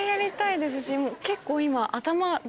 結構今。